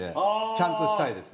ちゃんとしたいです。